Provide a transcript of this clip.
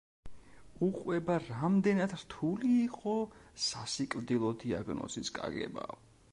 უყვება, რამდენად რთული იყო სასიკვდილო დიაგნოზის გაგება.